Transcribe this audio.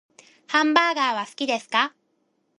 ハンバーガーは好きですか？